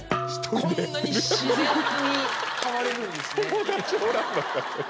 こんなに自然に変われるんですね